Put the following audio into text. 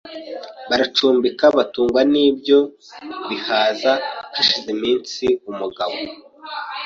Baracumbika batungwa n' ibyo bihaza Hashize imins iumugabo